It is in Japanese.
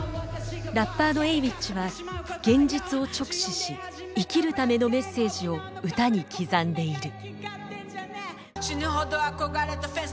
ラッパーのＡｗｉｃｈは現実を直視し生きるためのメッセージを歌に刻んでいる。